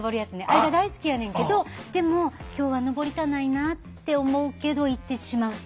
あれが大好きやねんけどでも今日は登りたないなあって思うけど行ってしまう。